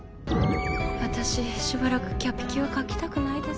私しばらくキャピキュア描きたくないです。